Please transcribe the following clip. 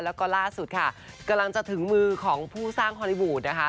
แล้วก็ล่าสุดค่ะกำลังจะถึงมือของผู้สร้างฮอลลี่วูดนะคะ